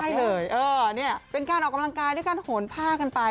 ใช่เลยเออเนี่ยเป็นการออกกำลังกายด้วยการโหนผ้ากันไป